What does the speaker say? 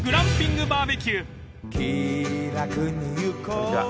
こんにちは。